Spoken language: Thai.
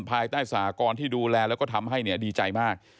ภายใต้สหกรณ์ที่ดูแลแล้วก็ทำให้ดีใจมาก